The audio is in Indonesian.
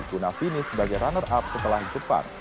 guna finish sebagai runner up setelah jepang